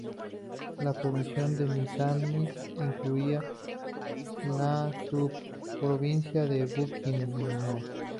La provincia de Misamis incluía la subprovincia de Bukidnon.